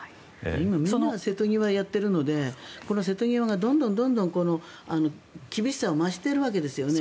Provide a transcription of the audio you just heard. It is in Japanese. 今みんな瀬戸際をやっているので瀬戸際が、どんどん厳しさを増しているわけですよね。